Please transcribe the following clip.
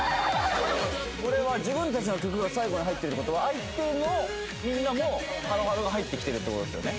これは自分たちの曲が最後に入ってるってことは相手のみんなも「ＨＥＬＬＯＨＥＬＬＯ」が入ってきてるってことですよね？